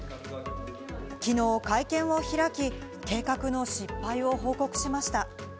昨日会見を開き、計画の失敗を報告しました。